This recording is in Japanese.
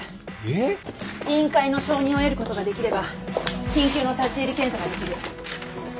えっ！？委員会の承認を得ることができれば緊急の立入検査ができる。